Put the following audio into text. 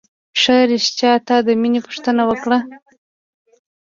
ښه رښتيا تا د مينې پوښتنه وکړه.